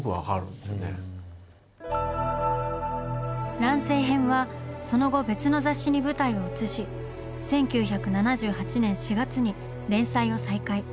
「乱世編」はその後別の雑誌に舞台を移し１９７８年４月に連載を再開。